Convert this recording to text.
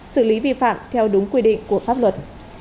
xử lý vi phạm theo đúng quy định của pháp luật